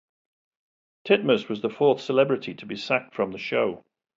Titmuss was the fourth celebrity to be sacked from the show.